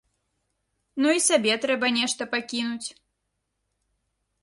Ну і сабе трэба нешта пакінуць.